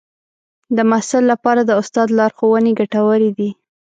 د محصل لپاره د استاد لارښوونې ګټورې دي.